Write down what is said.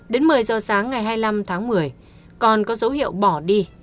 đến một mươi giờ sáng ngày hai mươi năm tháng một mươi còn có dấu hiệu bỏ đi